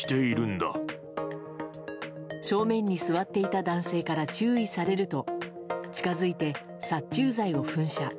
正面に座っていた男性から注意されると近づいて、殺虫剤を噴射。